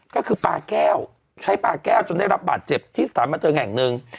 ก็คือปลาแก้วใช้ปลาแก้วจนได้รับบาดเจ็บที่สถานบันเทิงแห่งหนึ่ง